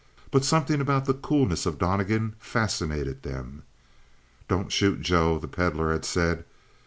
But something about the coolness of Donnegan fascinated them. "Don't shoot, Joe," the Pedlar had said.